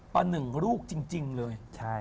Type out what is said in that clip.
ประหนึ่งลูกจริงเลย